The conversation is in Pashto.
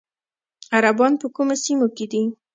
عربان په کومو سیمو کې دي؟